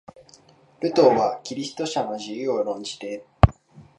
ルターはキリスト者の自由を論じて、